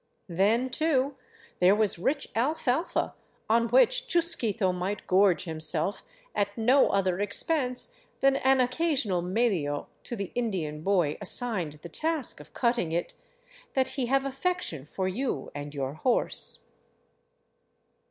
Then, too, there was rich alfalfa on which Chusquito might gorge himself at no other expense than an occasional medio to the Indian boy as signed the task of cutting it —'* that he have affection for you and your horse.'